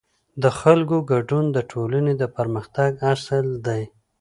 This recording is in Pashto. د خلکو ګډون د ټولنې د پرمختګ اصل دی